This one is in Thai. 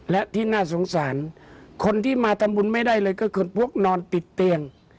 และที่น่าสงสารคนที่มาทำบุญไม่ได้เลยก็คือพวกนอนติดเตียง